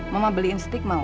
mama beliin steak mau